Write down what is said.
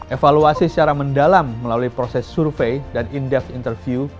evaluasi secara mendalam melalui proses survei dan indef interview